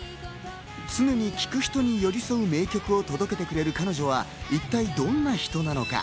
常に聴く人に寄り添う名曲を届けてくれる彼女は一体どんな人なのか。